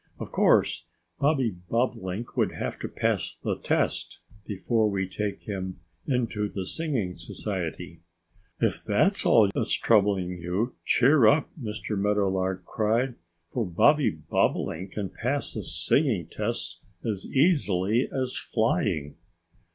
Of course Bobby Bobolink would have to pass the test before we take him into the Singing Society." "If that's all that's troubling you, cheer up!" Mr. Meadowlark cried. "For Bobby Bobolink can pass the singing test as easily as flying."